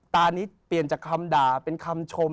ตานี้เปลี่ยนจากคำด่าเป็นคำชม